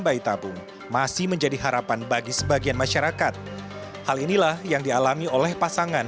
bayi tabung masih menjadi harapan bagi sebagian masyarakat hal inilah yang dialami oleh pasangan